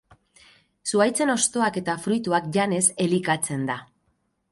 Zuhaitzen hostoak eta fruituak janez elikatzen da.